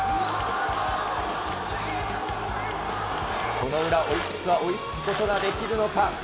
その裏、オリックスは追いつくことができるのか。